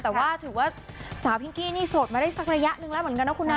แต่ว่าถือว่าสาวพิงกี้นี่โสดมาได้สักระยะหนึ่งแล้วเหมือนกันนะคุณนะ